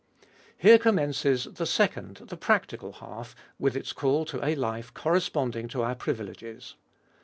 Here commences the second, the practical, half, with its call to a life corresponding to our privileges.